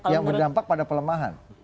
yang berdampak pada pelemahan